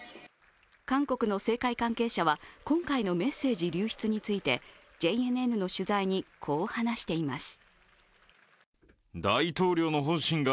韓国の政界関係者は今回のメッセージ流出についてＪＮＮの取材に、こう話しています。